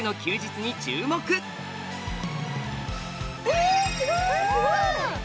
えすごい！